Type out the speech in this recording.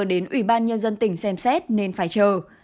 đến ủy ban nhân dân tỉnh xem xét nên phải chờ